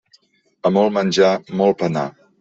A molt menjar, molt penar.